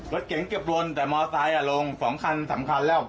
รถเก่งเก็บลนแต่มอเตอร์ไซค์ลง๒คัน๓คันแล้ว